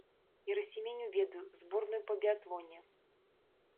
Герасіменю ведаю, зборную па біятлоне.